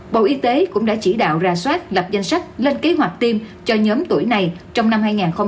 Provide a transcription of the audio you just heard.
bộ y tế cũng đã chỉ đạo ra soát lập danh sách lên kế hoạch tiêm cho nhóm tuổi này trong năm hai nghìn hai mươi